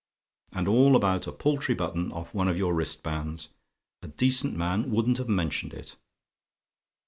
And all about a paltry button off one of your wristbands! A decent man wouldn't have mentioned it.